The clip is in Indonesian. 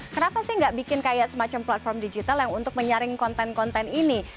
kenapa sih nggak bikin kayak semacam platform digital yang untuk menyaring konten konten ini